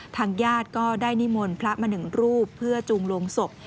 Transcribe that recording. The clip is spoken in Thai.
ทางญาติก็ได้นิมนต์พระมาหนึ่งรูปเพื่อจูงลงศพ